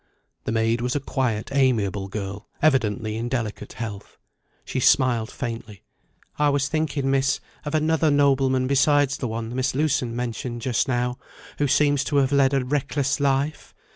The maid was a quiet amiable girl, evidently in delicate health. She smiled faintly. "I was thinking, Miss, of another nobleman besides the one Mrs. Lewson mentioned just now, who seems to have led a reckless life.